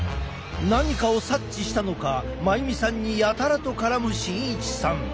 何かを察知したのか真由美さんにやたらと絡む慎一さん。